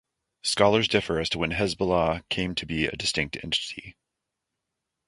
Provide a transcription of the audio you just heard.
Scholars differ as to when Hezbollah came to be a distinct entity.